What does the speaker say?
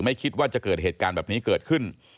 ไม่คิดว่าจะเกิดเหตุการณ์แบบนี้เกิดขึ้น